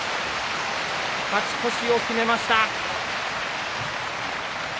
勝ち越しを決めました。